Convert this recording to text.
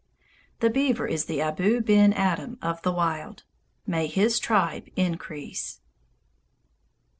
The beaver is the Abou ben Adhem of the wild. May his tribe increase.